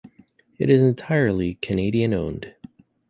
It is entirely Canadian-owned.